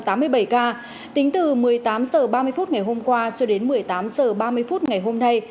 tính từ một mươi tám h ba mươi phút ngày hôm nay